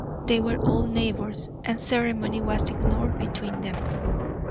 They were old neighbours, and ceremony was ignored between them.